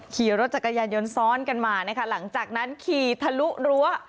ขี่รถจักรยานยนต์ซ้อนกันมานะคะหลังจากนั้นขี่ทะลุรั้ว